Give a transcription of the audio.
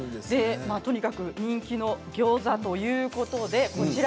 とにかく人気のギョーザということでこちら。